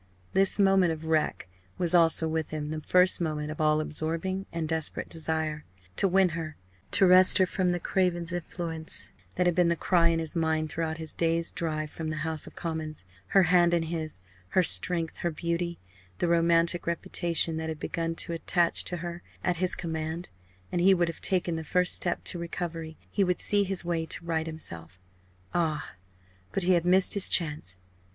This moment of wreck was also with him the first moment of all absorbing and desperate desire. To win her to wrest her from the Cravens' influence that had been the cry in his mind throughout his dazed drive from the House of Commons. Her hand in his her strength, her beauty, the romantic reputation that had begun to attach to her, at his command and he would have taken the first step to recovery, he would see his way to right himself. Ah! but he had missed his chance!